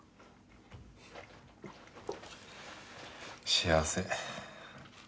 幸せ。